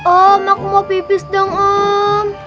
om aku mau pipis dong om